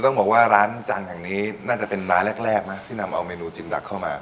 ต้องบอกว่าร้านจันทร์แห่งนี้น่าจะเป็นร้านแรกนะที่นำเอาเมนูจินดักเข้ามา